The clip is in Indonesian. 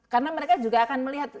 karena mereka juga akan melihat